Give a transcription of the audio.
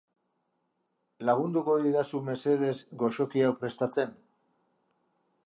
Lagunduko didazu mesedez goxoki hau prestatzen?